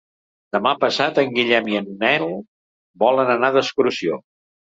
Demà passat en Guillem i en Nel volen anar d'excursió.